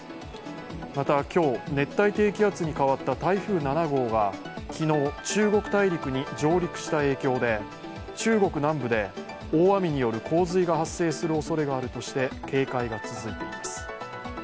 また、今日、熱帯低気圧に変わった台風７号が昨日、中国大陸に上陸した影響で中国南部で大雨による洪水が発生するおそれがあるとして警戒が続いています。